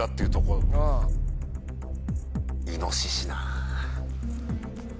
イノシシな。